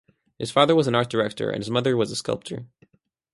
His father was an art director and his mother was a sculptor.